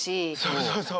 そうそうそう！